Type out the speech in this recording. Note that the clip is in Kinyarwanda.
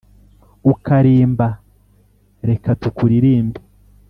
ukarimba reka tukuririmbe